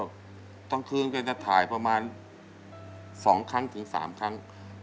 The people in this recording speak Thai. กลางคืนก็จะถ่ายประมาณ๒ครั้งถึง๓ครั้ง